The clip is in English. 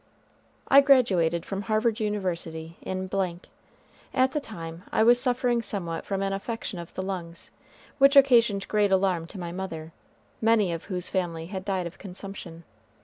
I graduated from Harvard University in . At the time I was suffering somewhat from an affection of the lungs, which occasioned great alarm to my mother, many of whose family had died of consumption.